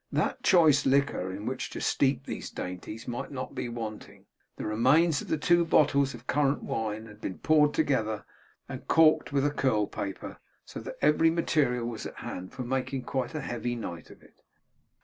That choice liquor in which to steep these dainties might not be wanting, the remains of the two bottles of currant wine had been poured together and corked with a curl paper; so that every material was at hand for making quite a heavy night of it.